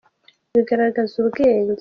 bigaragaza ubwenge.